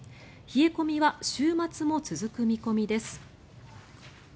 冷え込みは週末も続く見込みです。